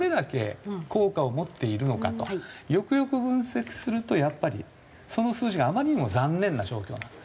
よくよく分析するとやっぱりその数字があまりにも残念な状況なんですね。